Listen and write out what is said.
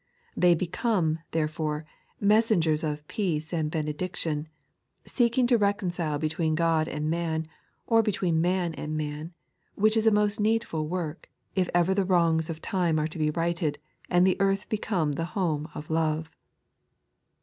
They become, therefore, messengers of peace and benediction, seeking to reconcile between God and man, or between man and man, which is a most needful work, if ever the wrongs of time are to be righted, and earth become the home of love.